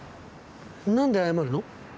何で謝るの？